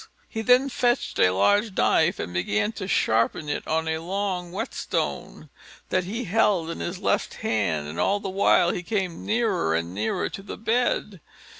He then fetched a large knife, and began to sharpen it on a long whetstone that he held in his left hand; and all the while he came nearer and nearer to the bed.